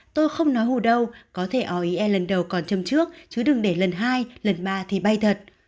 tôi không nói hù đâu có thể oie lần đầu còn châm trước chứ đừng để lần hai lần ba thì bay thật